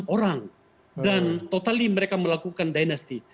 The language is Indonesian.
lima puluh enam orang dan total mereka melakukan dinasti